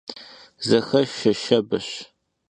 Zexeşşe şşebeş.